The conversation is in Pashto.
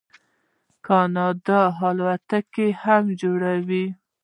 کاناډا الوتکې هم جوړوي.